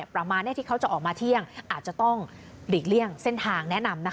ประมาณที่เขาจะออกมาเที่ยงอาจจะต้องหลีกเลี่ยงเส้นทางแนะนำ